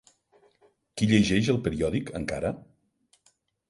Qui llegeix el periòdic, encara?